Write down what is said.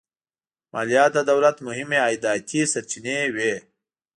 مالیات د دولت مهمې عایداتي سرچینې وې.